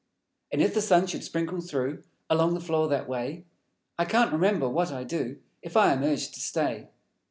And if the Sun should sprinkle through Along the floor that way, I can't remember what I do If I am Urged to Stay.